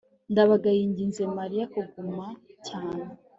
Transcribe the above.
ndabaga yinginze mariya kuguma cyane